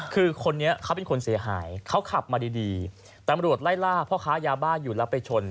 คือคนนี้เขาเป็นคนเสียหายเขาขับมาดีดีตำรวจไล่ล่าพ่อค้ายาบ้าอยู่แล้วไปชน